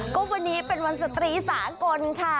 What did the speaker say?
ก็วันนี้เป็นวันสตรีสากลค่ะ